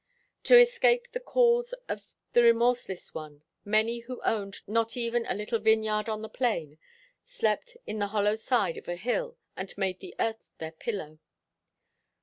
To escape the calls of the remorseless one, many who owned not even a little vineyard on the plain slept in the hollowed side of a hill and made the earth their pillow.